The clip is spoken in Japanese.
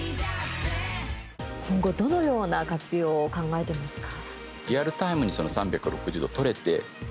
今後、どのような活用を考えていますか？